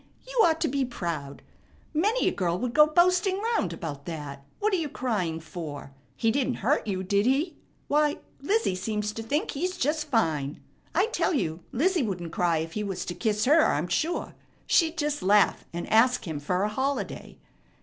You ought to be proud. Many a girl would go boasting round about that. What are you crying for? He didn't hurt you, did he? Why, Lizzie seems to think he's fine. I tell you Lizzie wouldn't cry if he was to kiss her, I'm sure. She'd just laugh, and ask him fer a holiday.